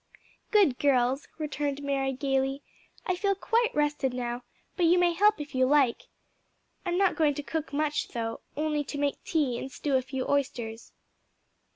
"Good girls!" returned Mary gayly. "I feel quite rested now, but you may help if you like. I'm not going to cook much, though only to make tea and stew a few oysters."